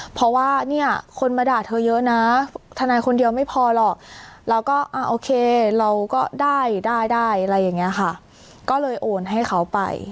เพราะว่าเนี่ยคนมาด่าเธอเยอะนะทนายคนเดียวไม่พอหรอกเราก็อ่าโอเคเราก็ได้ได้อะไรอย่างนี้ค่ะก็เลยโอนให้เขาไป